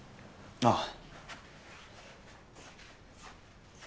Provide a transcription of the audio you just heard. ああ。